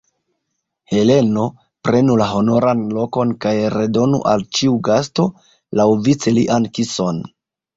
Heleno, prenu la honoran lokon kaj redonu al ĉiu gasto, laŭvice, lian kison!